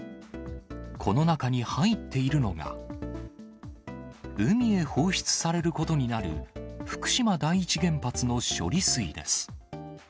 この中に入っているのが、海へ放出されることになる福島第一原発の処理水です。